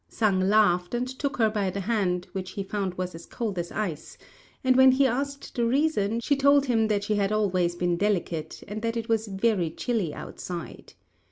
Sang laughed, and took her by the hand, which he found was as cold as ice; and when he asked the reason, she told him that she had always been delicate, and that it was very chilly outside.